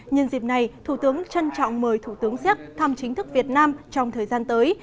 nhân dịp này thủ tướng trân trọng mời thủ tướng xéc thăm chính thức việt nam trong thời gian tới